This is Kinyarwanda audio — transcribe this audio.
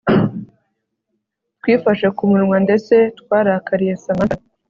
twifashe ku munwa ndetse twarakariye Samantha